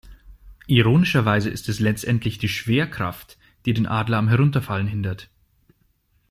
Ironischerweise ist es letztendlich die Schwerkraft, die den Adler am Herunterfallen hindert.